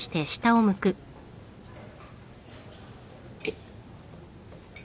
えっ？